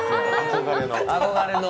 憧れの。